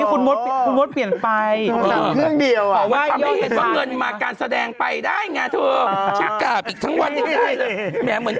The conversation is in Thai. กูว่าให้กราบทั้งรายการยังได้เลยเนี่ย